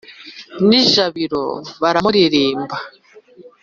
n' i jabiro baramuririmba.